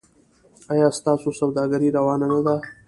ایا ستاسو سوداګري روانه نه ده؟